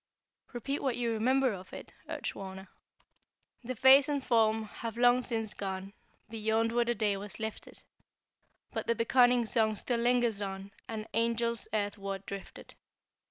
"Repeat what you remember of it," urged Wauna. "That face and form, have long since gone Beyond where the day was lifted: But the beckoning song still lingers on, An angels earthward drifted.